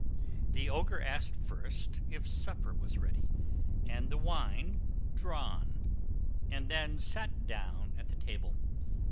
The Ogre asked first if supper was ready, and the wine drawn; and then sat down at the table.